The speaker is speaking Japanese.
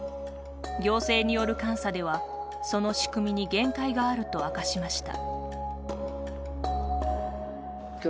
行政による監査ではその仕組みに限界があると明かしました。